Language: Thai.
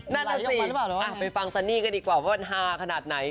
นั่นแหละไปฟังซันนี่กันดีกว่าว่ามันฮาขนาดไหน